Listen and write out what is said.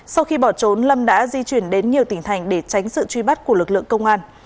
sau khi bỏ trốn lâm đã di chuyển đến nhiều tỉnh thành để tránh sự truy bắt của lực lượng công an